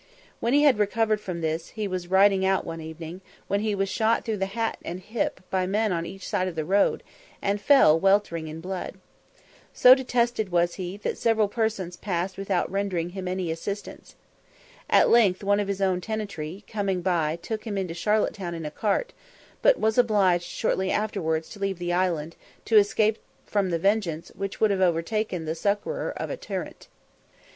When he recovered from this, he was riding out one evening, when he was shot through the hat and hip by men on each side of the road, and fell weltering in blood. So detested was he, that several persons passed by without rendering him any assistance. At length one of his own tenantry, coming by, took him into Charlotte Town in a cart, but was obliged shortly afterwards to leave the island, to escape from the vengeance which would have overtaken the succourer of a tyrant.